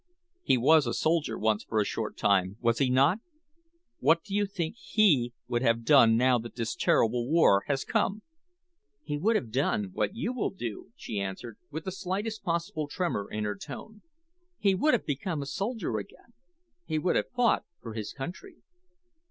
He was a soldier once for a short time, was he not? What do you think he would have done now that this terrible war has come?" "He would have done what you will do," she answered, with the slightest possible tremor in her tone. "He would have become a soldier again, he would have fought for his country."